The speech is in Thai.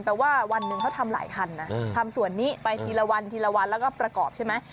ว่าวันหนึ่งเขาทำหลายคันนะทำส่วนนี้ไปทีละวันทีละวันแล้วก็ประกอบใช่ไหม